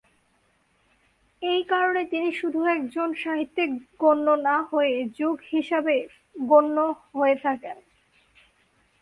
এই কারণে তিনি শুধু একজন সাহিত্যিক গণ্য না হয়ে যুগ-হিসাবে গণ্য হয়ে থাকেন।